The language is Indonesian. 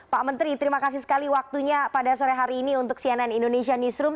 pak menteri terima kasih sekali waktunya pada sore hari ini untuk cnn indonesia newsroom